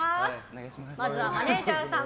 まずはマネジャーさん